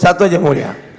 satu aja yang mulia